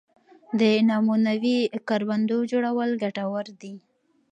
د نمونوي کروندو جوړول ګټور دي